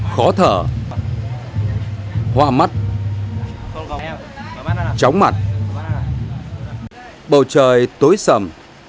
khó thở hoa mắt tróng mặt bầu trời tối sầm